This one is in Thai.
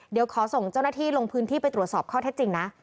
เดี๋ยวขอส่งเจ้าหน้าที่ลงพื้นที่ไปตรวจสอบข้อเท็จจริงนะ